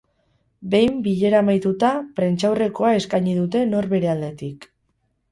Behin bilera amaituta, prentsaurrekoa eskaini dute nor bere aldetik.